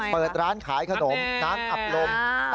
เปิดร้านขายขนมน้ำอับลม